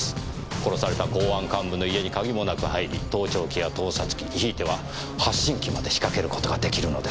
殺された公安幹部の家に鍵もなく入り盗聴器や盗撮器ひいては発信機まで仕掛ける事ができるのですから。